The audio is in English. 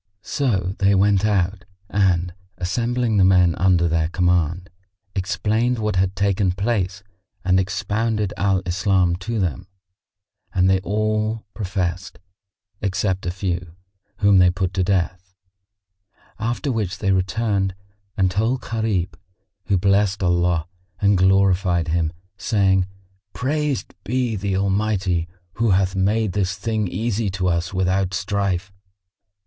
So they went out and, assembling the men under their command, explained what had taken place and expounded Al Islam to them and they all professed, except a few, whom they put to death; after which they returned and told Gharib, who blessed Allah and glorified Him, saying, "Praised be the Almighty who hath made this thing easy to us without strife!"